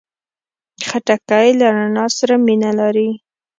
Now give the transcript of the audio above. خټکی له رڼا سره مینه لري.